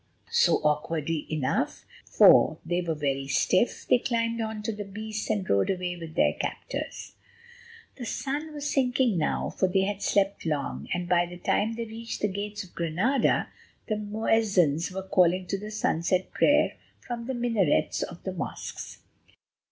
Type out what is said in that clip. So, awkwardly enough, for they were very stiff, they climbed on to the beasts and rode away with their captors. The sun was sinking now, for they had slept long, and by the time they reached the gates of Granada the muezzins were calling to the sunset prayer from the minarets of the mosques.